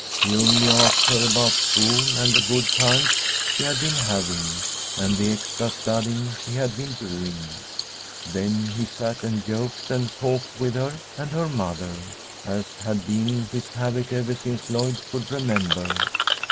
He only asked her about school and the good times she had been having, and the extra studying she had been doing. Then he sat and joked and talked with her and her mother, as had been his habit ever since Lloyd could remember.